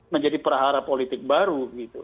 menjadi prahara politik baru